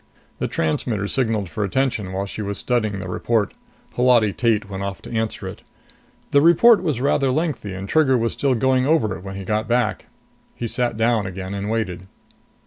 The transmitter signaled for attention while she was studying the report. Holati Tate went off to answer it. The report was rather lengthy, and Trigger was still going over it when he got back. He sat down again and waited.